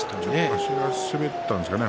足が滑ったんですかね。